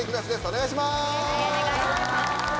お願いします！